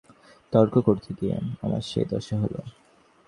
যৌবনের আবেগে অল্প একটুখানি তর্ক করতে গিয়ে আমার সেই দশা হল।